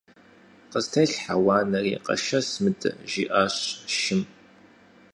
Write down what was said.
- Къыстелъхьэ уанэри, къэшэс мыдэ! - жиӏащ шым.